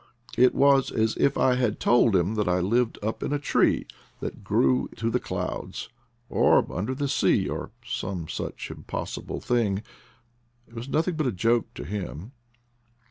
It was as if I had told him that I lived up in a tree that grew to the clouds, or under the sea, or some such impossible thing; it was nothing but a joke to him.